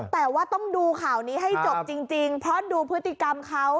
แต่ว่าต้องดูข่าวนี้ให้จบจริงเพราะดูพฤติกรรมเขา